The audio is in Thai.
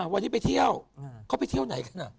วันนี้ไปเที่ยวเขาไปเที่ยวไหนกันอ่ะ